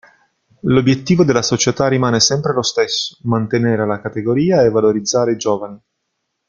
L'obiettivo della società rimane sempre lo stesso: mantenere la categoria e valorizzare i giovani.